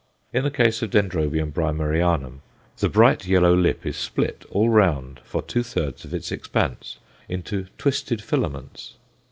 In the case of D. Brymerianum the bright yellow lip is split all round, for two thirds of its expanse, into twisted filaments.